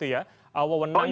ini salah satu kuncinya disitu